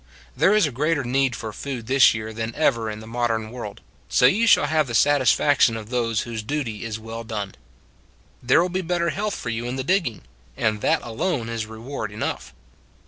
There is greater need for food this year than ever in the modern world so you shall have the satisfaction of those whose duty is well done. There will be better health for you in the digging and that alone is reward enough.